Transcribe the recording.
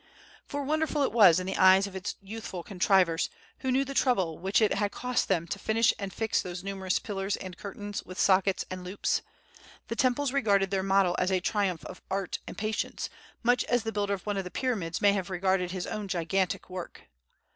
For wonderful it was in the eyes of its youthful contrivers, who knew the trouble which it had cost them to finish and fix those numerous pillars and curtains, with sockets and loops. The Temples regarded their model as a triumph of art and patience, much as the builder of one of the Pyramids may have regarded his own gigantic work.